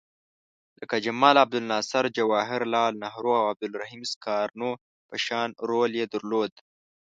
لکه جمال عبدالناصر، جواهر لعل نهرو او عبدالرحیم سکارنو په شان رول یې درلود.